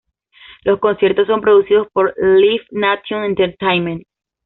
Los conciertos son producidos por Live Nation Entertainment.